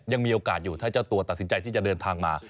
ยังมีโอกาสอยู่ถ้าเจ้าตัวตัดสินใจที่จะเดินทางมา